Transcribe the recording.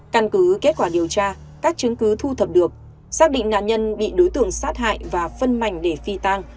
căn cứ kết quả điều tra các chứng cứ thu thập được xác định nạn nhân bị đối tượng sát hại và phân mảnh để phi tang